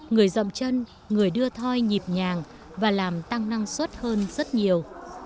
người dậm chân người đưa thoi nhịp nhàng và làm tăng năng suất hơn rất nhiều